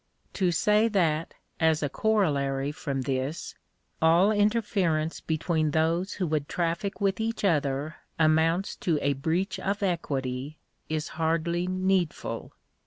To say that, as a corollary from this, all interference between those who would traffic with each other amounts to a breach of equity, is hardly needful.